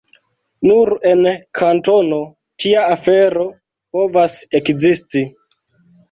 Nur en Kantono tia afero povas ekzisti.